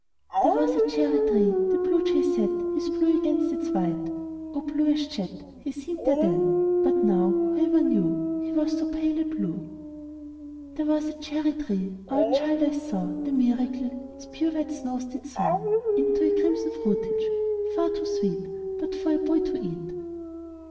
There was a cherry tree. The Bluejay sat His blue against its white O blue as jet He seemed there then! But now Whoever knew He was so pale a blue! There was a cherry tree our child eyes saw The miracle: Its pure white snows did thaw Into a crimson fruitage, far too sweet But for a boy to eat.